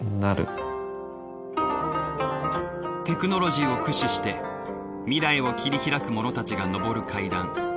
テクノロジーを駆使して未来を切り拓く者たちが昇る階段。